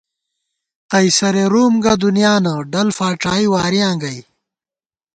قَیصرےرُوم گہ دُنیانہ، ڈل فاڄائی وارِیاں گئ